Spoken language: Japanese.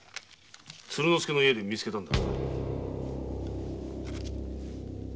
鶴之助の家で見つけたのだ。